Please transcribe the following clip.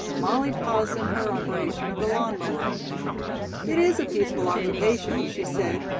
Molly paused in her operation of the lawn mower. "It is a peaceful occupation," she said.